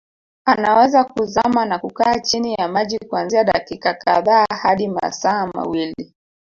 Anaweza kuzama na kukaa chini ya maji kuanzia dakika kadhaa hadi masaa mawili